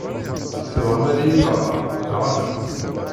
Tebɣam ad iyi-d-hedrem, neɣ ala?